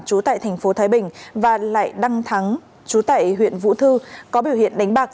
trú tại tp thái bình và lại đăng thắng trú tại huyện vũ thư có biểu hiện đánh bạc